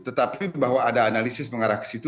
tetapi bahwa ada analisis mengarah ke situ